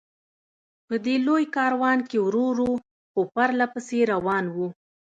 په دې لوی کاروان کې ورو ورو، خو پرله پسې روان و.